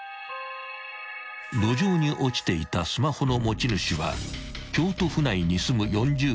［路上に落ちていたスマホの持ち主は京都府内に住む］